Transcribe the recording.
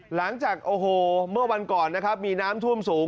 หลังจากโอ้โหเมื่อวันก่อนนะครับมีน้ำท่วมสูง